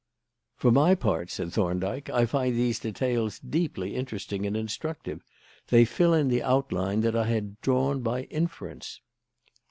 "For my part," said Thorndyke, "I find these details deeply interesting and instructive. They fill in the outline that I had drawn by inference."